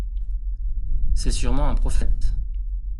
C’est sûrement un prophète…